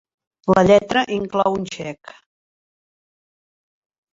La lletra inclou un xec.